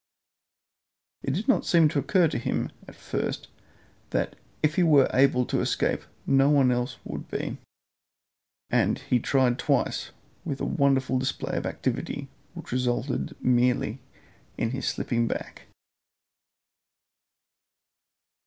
It did not seem to occur to him at first that if he were able to escape no one else would be, and he tried twice with a wonderful display of activity, which resulted merely in his slipping back.